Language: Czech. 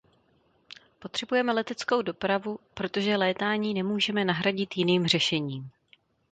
Potřebujeme leteckou dopravu, protože létání nemůžeme nahradit jiným řešením.